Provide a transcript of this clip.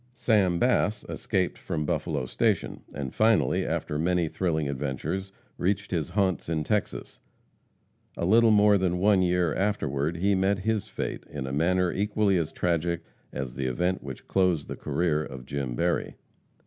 Sam Bass escaped from Buffalo station, and finally, after many thrilling adventures, reached his haunts in Texas. A little more than one year afterward he met his fate in a manner equally as tragic as the event which closed the career of Jim Berry.